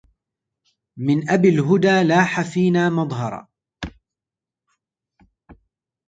من أبي الهدى لاح فينا مظهر